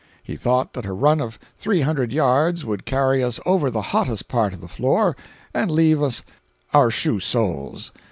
He thought that a run of three hundred yards would carry us over the hottest part of the floor and leave us our shoe soles.